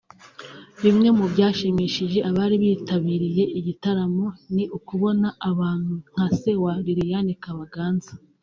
Bimwe mu byashimishije abantu bari bitabiriye igitaramo ni ukubona abantu nka Se wa Lilliane Kabaganza